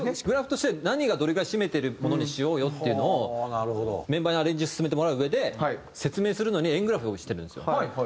グラフとして何がどれぐらい占めてるものにしようよっていうのをメンバーにアレンジを進めてもらううえで説明するのに円グラフ用意してるんですよ。